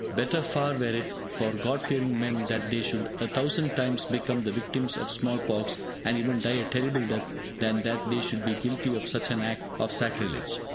Better far were it for God fearing men that they should a thousand times become the victims of small pox and even die a terrible death than that they should be guilty of such an act of sacrilege.